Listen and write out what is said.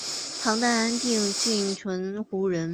唐代安定郡鹑觚人。